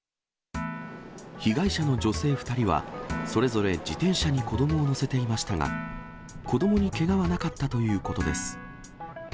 被害者の女性２人は、それぞれ自転車に子どもを乗せていましたが、子どもにけがはなかったということです。